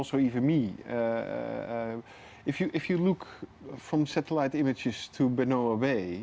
jika anda melihat dari gambar satelit ke benoa bay